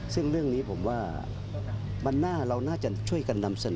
ซึ่งเรื่องนี้ผมว่าวันหน้าเราน่าจะช่วยกันนำเสนอ